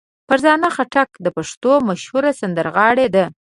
فرزانه خټک د پښتو مشهوره سندرغاړې ده.